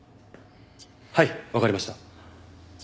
はいわかりました。